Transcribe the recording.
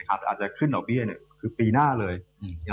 แต่อาจจะขึ้นออกเบี่ยนคือปีหน้าเลย